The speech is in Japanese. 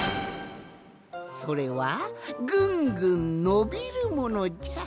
それはぐんぐんのびるものじゃ。